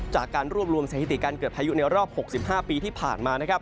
จากการรวบรวมสถิติการเกิดพายุในรอบ๖๕ปีที่ผ่านมานะครับ